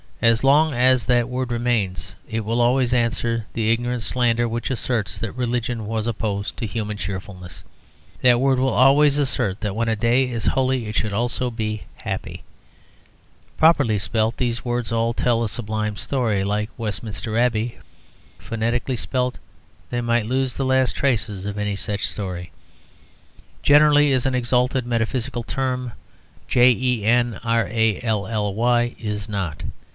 As long as that word remains, it will always answer the ignorant slander which asserts that religion was opposed to human cheerfulness; that word will always assert that when a day is holy it should also be happy. Properly spelt, these words all tell a sublime story, like Westminster Abbey. Phonetically spelt, they might lose the last traces of any such story. "Generally" is an exalted metaphysical term; "jenrally" is not.